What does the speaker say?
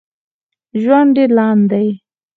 ژوند ډېر لنډ ده